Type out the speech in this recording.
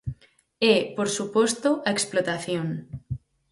E, por suposto, a explotación.